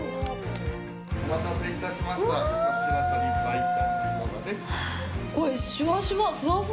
お待たせいたしました。